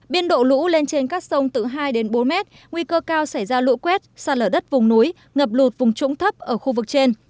biên độ lũ lên trên các sông từ hai đến bốn mét nguy cơ cao xảy ra lũ quét sạt lở đất vùng núi ngập lụt vùng trũng thấp ở khu vực trên